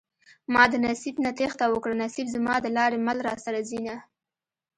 ما د نصيب نه تېښته وکړه نصيب زما د لارې مل راسره ځينه